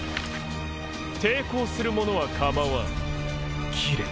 抵抗する者は構わん斬れ。